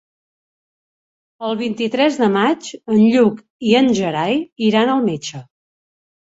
El vint-i-tres de maig en Lluc i en Gerai iran al metge.